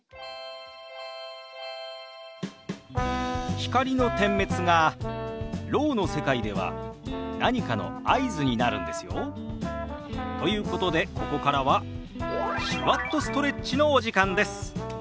光の点滅がろうの世界では何かの合図になるんですよ。ということでここからは「手話っとストレッチ」のお時間です。